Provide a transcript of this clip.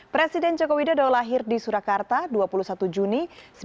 presiden jokowi dodo lahir di surakarta dua puluh satu juni seribu sembilan ratus enam puluh satu